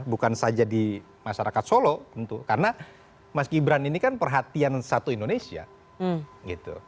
bukan saja di masyarakat solo tentu karena mas gibran ini kan perhatian satu indonesia gitu